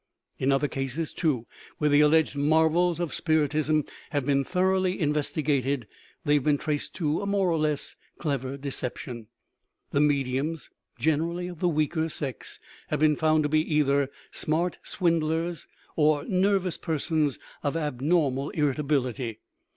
In other cases, too, where the alleged marvels of spiritism have been thoroughly investigated, they have been traced to a more or less clever deception ; the mediums (generally of the weaker sex) have been found to be either smart swindlers or nervous persons of abnormal irritability.